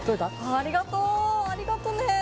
ありがとう、ありがとね。